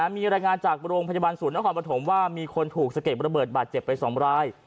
มีรายงานจากโรงพยาบาลศูนย์นครปฐมว่ามีคนถูกสะเก็ดระเบิดบาดเจ็บไป๒ราย